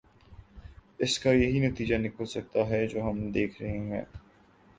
اس کا یہی نتیجہ نکل سکتا ہے جو ہم دیکھ رہے ہیں۔